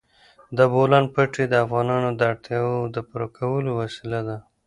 د بولان پټي د افغانانو د اړتیاوو د پوره کولو وسیله ده.